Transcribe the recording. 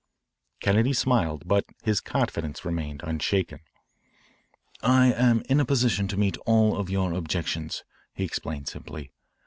Kennedy smiled, but his confidence remained unshaken. "I am in a position to meet all of your objections," he explained simply.